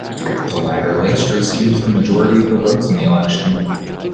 The latter list receives the majority of the votes in the election.